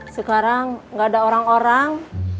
sekarang nggak ada orang orang